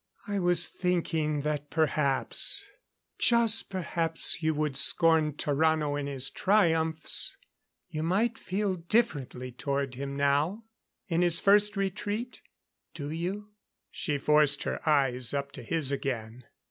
"I was thinking that perhaps just perhaps you would scorn Tarrano in his triumphs, you might feel differently toward him now in his first retreat. Do you?" She forced her eyes up to his again.